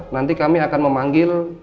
nanti kami akan memanggil